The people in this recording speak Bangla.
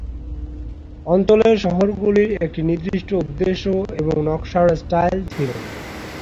অঞ্চলের শহরগুলির একটি নির্দিষ্ট উদ্দেশ্য এবং নকশার স্টাইল ছিল।